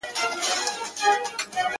په پردي څټ کي سل سوکه څه دي -